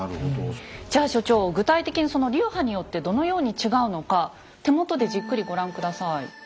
じゃ所長具体的にその流派によってどのように違うのか手元でじっくりご覧下さい。